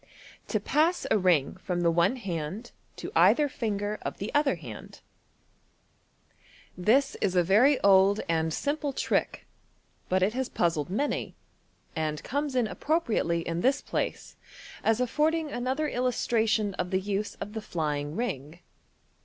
To Pass a Ring from the one Hand to either Finger op the other Hand. — This is a very old and simple trick, but it has puzzled many, and comes in appropriately in this place, as afford ing another illustration of the use of the "flying ring."